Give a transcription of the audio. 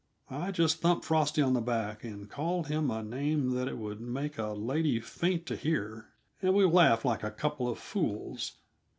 I just thumped Frosty on the back and called him a name that it would make a lady faint to hear, and we laughed like a couple of fools.